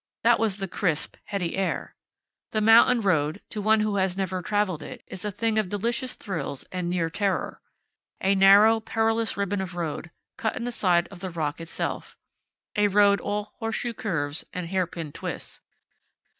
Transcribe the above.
That was the crisp, heady air. The mountain road, to one who has never traveled it, is a thing of delicious thrills and near terror. A narrow, perilous ribbon of road, cut in the side of the rock itself; a road all horseshoe curves and hairpin twists.